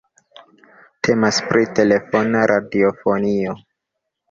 Temas pri telefona radiofonio.